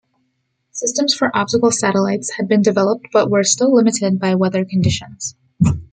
Systems for optical satellites had been developed but were still limited by weather conditions.